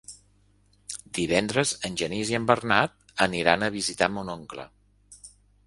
Divendres en Genís i en Bernat aniran a visitar mon oncle.